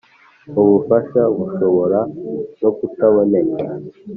Ubufasha bushobora no kutaboneka